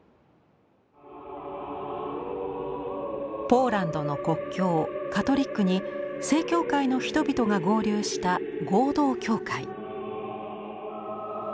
ポーランドの国教カトリックに正教会の人々が合流した合同教会。